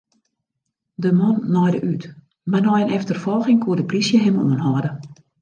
De man naaide út, mar nei in efterfolging koe de plysje him oanhâlde.